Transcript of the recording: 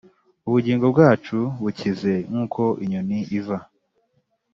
Ubugingo bwacu bukize nkuko inyoni iva